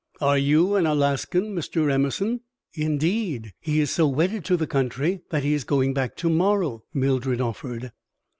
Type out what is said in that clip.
"Are you an Alaskan, Mr. Emerson?" "Indeed, he is so wedded to the country that he is going back to morrow," Mildred offered.